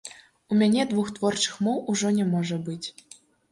У мяне двух творчых моў ужо не можа быць.